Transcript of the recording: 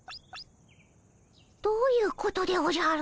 どういうことでおじゃる？